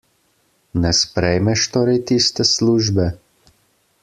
Ne sprejmeš torej tiste službe?